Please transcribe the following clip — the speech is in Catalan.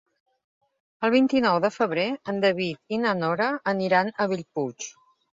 El vint-i-nou de febrer en David i na Nora aniran a Bellpuig.